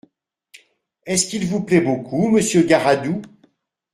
Est-ce qu’il vous plaît beaucoup, Monsieur Garadoux ?